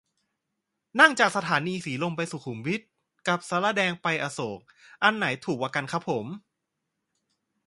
นั่งจากสถานีสีลมไปสุขุมวิท กับศาลาแดงไปอโศก อันไหนถูกกว่าครับผม